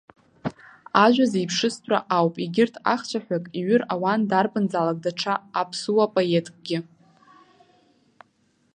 Ажәа зеиԥшыстәра ауп, егьырҭ ахцәаҳәак иҩыр ауан дарбанзаалак даҽа аԥсыуа поеткгьы.